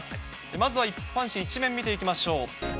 まずは一般紙１面見ていきましょう。